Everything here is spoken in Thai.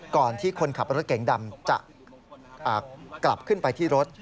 ก่อนที่คนขับรถเก๋งดำจะกลับขึ้นไปที่รถ